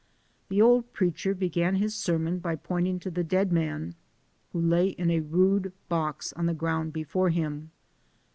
The old preacher began his sermon by pointing to the dead man, who lay in a rude box on the ground before him.